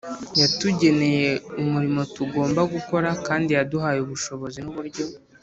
Yatugeneye umurimo tugomba gukora, kandi yaduhaye ubushobozi n’uburyo